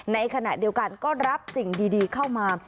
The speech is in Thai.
ในขณะเดียวกันก็รับสิ่งดีเข้ามา